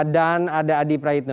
dan ada adi prajurit